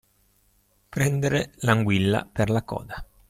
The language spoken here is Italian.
Prendere l'anguilla per la coda.